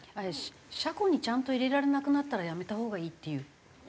車庫にちゃんと入れられなくなったらやめたほうがいいっていうその観点はないんですか？